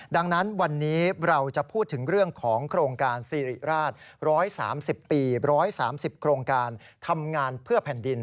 ดังนั้นวันนี้เราจะพูดถึงเรื่องของโครงการสิริราช๑๓๐ปี๑๓๐โครงการทำงานเพื่อแผ่นดิน